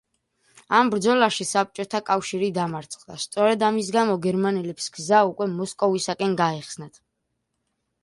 ამ ბრძოლაში საბჭოთა კავშირი დამარცხდა, სწორედ ამის გამო გერმანელებს გზა უკვე მოსკოვისკენ გაეხსნათ.